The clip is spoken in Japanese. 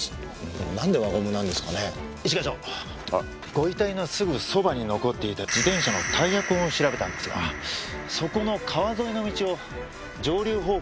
ご遺体のすぐそばに残っていた自転車のタイヤ痕を調べたんですがそこの川沿いの道を上流方向に帰ったようです。